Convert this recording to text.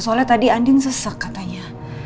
soalnya tadi andin sesek katanya